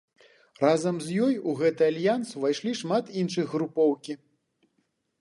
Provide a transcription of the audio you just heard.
Разам з ёй у гэты альянс ўвайшлі шмат іншых групоўкі.